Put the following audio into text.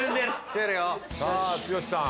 さあ剛さん